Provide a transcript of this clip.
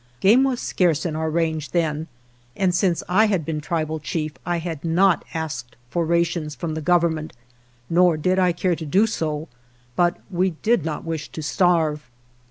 Game was scarce in our range then, and since I had been Tribal Chief I had not asked for rations from the Government, nor did I care to do so, but we did not wish to starve.